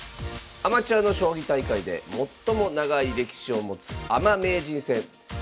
アマチュアの将棋大会で最も長い歴史を持つアマ名人戦。